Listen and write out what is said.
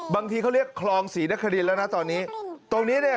บางทีเขาเรียกคลองศรีนครินแล้วนะตอนนี้ตรงนี้เนี่ย